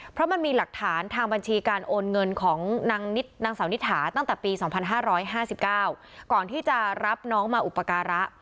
เพราะมันมีหลักฐานทางบัญชีการโอนเงินของนางสาวนิถาตั้งแต่ปี๒๕๕๙ก่อนที่จะรับน้องมาอุปการะ